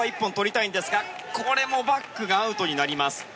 これもバックがアウトになりました。